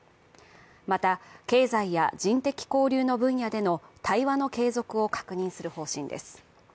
また、経済や人的交流の分野での対話の継続を確認する方針です。